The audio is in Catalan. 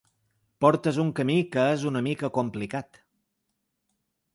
Portes un camí que és una mica complicat.